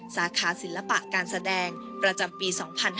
สาขาศิลปะการแสดงประจำปี๒๕๕๙